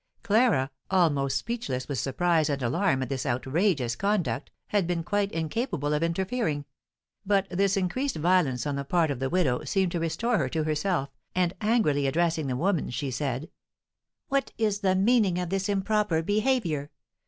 Clara, almost speechless with surprise and alarm at this outrageous conduct, had been quite incapable of interfering; but this increased violence on the part of the widow seemed to restore her to herself, and angrily addressing the woman she said: "What is the meaning of this improper behaviour?